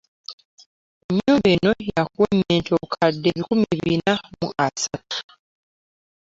Ennyumba eno ya kuwemmenta obukadde ebikumi Bina mu asatu